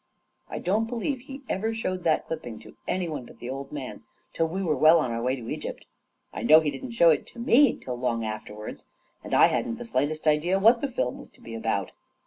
I don't believe he ever showed that clipping to any one but the old man till we were well on our way to Egypt — I know he didn't show it to me till long afterwards, and I hadn't the slightest idea what the film was to be about.